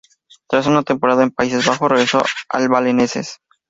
Tras una temporada en Países Bajos regresa al Belenenses.